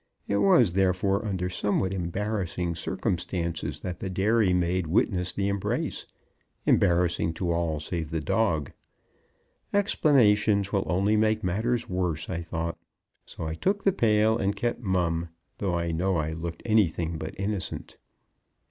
It was therefore under somewhat embarrassing circumstances that the dairy maid witnessed the embrace embarrassing to all save the dog. Explanations will only make matters worse, I thought, so I took the pail and kept mum, though I know I looked anything but innocent.